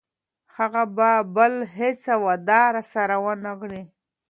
هغه به بله هیڅ وعده راسره ونه کړي.